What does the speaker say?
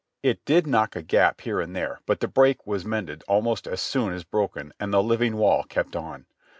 It did knock a gap here and there, but the break was mended ahnost as soon as broken, and the Hving wall kept on.